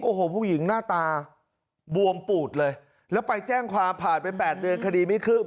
โอ้โหผู้หญิงหน้าตาบวมปูดเลยแล้วไปแจ้งความผ่านไป๘เดือนคดีไม่คืบ